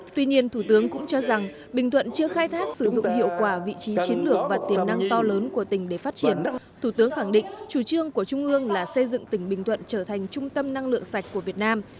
thủ tướng khẳng định chủ trương của trung ương là xây dựng tỉnh bình thuận trở thành trung tâm năng lượng sạch của việt nam